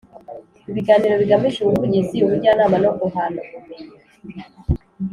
Ibiganiro bigamije ubuvugizi ubujyanama no guhana ubumenyi